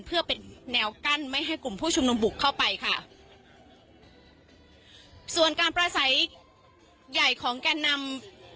เพื่อเป็นแนวกั้นไม่ให้กลุ่มผู้ชุมนุมบุกเข้าไปค่ะส่วนการประสัยใหญ่ของแก่นำ